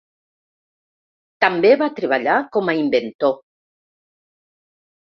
També va treballar com a inventor.